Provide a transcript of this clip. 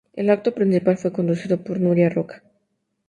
El acto principal fue conducido por Nuria Roca.